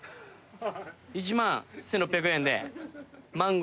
１万１，６００円で。